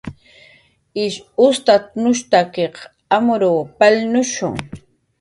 Ish ustatnushstakiq amurw palnushu